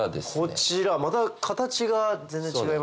こちらまた形が全然違いますね。